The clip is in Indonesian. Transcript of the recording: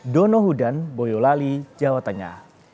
donohudan boyolali jawa tengah